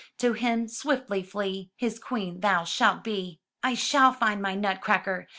To him swiftly flee; His queen thou shalt be." *'I shall find my Nutcracker!